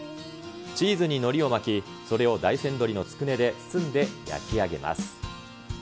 チーズにのりを巻き、それを大山鶏のつくねで包んで焼き上げます。